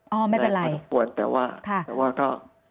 โน้นบ่นแต่ว่าก็